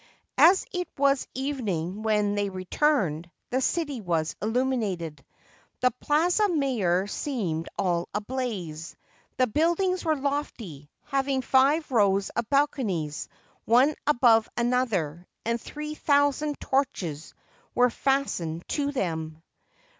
As it was evening when they returned, the city was illuminated. The Plaza Mayor seemed all ablaze. The buildings were lofty, having five rows of balconies, one above another, and three thousand torches were fastened to them.